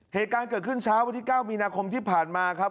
เหตุการณ์เกิดขึ้นเช้าวันที่๙มีนาคมที่ผ่านมาครับ